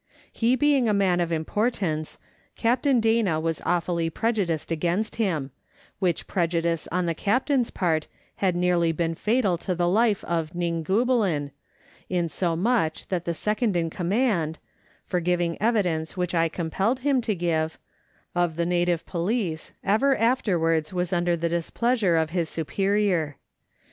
He being a man of importance, Captain Dana was awfully prejudiced against him, which prejudice on the Captain's part had nearly been fatal to the life of Ning goolobin, insomuch that the second in command (for giving evidence which I compelled him to give) of the native police ever afterwards was under the displeasure of his superior.